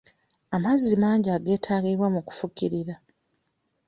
Amazzi mangi ageetagibwa mu kufukirira.